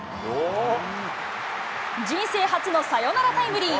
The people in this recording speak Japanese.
人生初のサヨナラタイムリー。